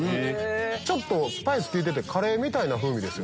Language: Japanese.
ちょっとスパイス利いててカレーみたいな風味ですよ。